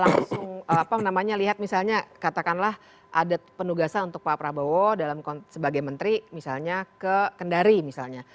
langsung apa namanya lihat misalnya katakanlah ada penugasan untuk pak prabowo sebagai menteri misalnya ke kendari misalnya